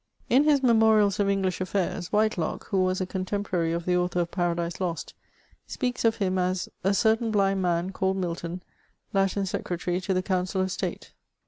In his "Memorials of English Affairs," Whitelock, who was a contemporary of the author of " Paradise Lost," speaks of him as " a certain blind man, called Milton, Latin Secretary to the Council of State."